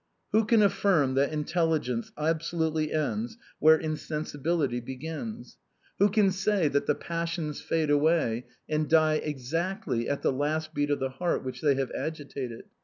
Who can affirm that intelligence absolutely ends where insensibility begins? Who can say that the passions fade away and die exactly at the last beat of the heart which they have agitated?